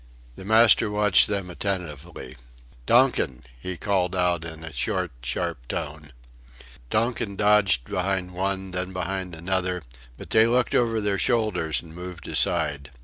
The master watched them attentively. "Donkin," he called out in a short, sharp tone. Donkin dodged behind one, then behind another, but they looked over their shoulders and moved aside.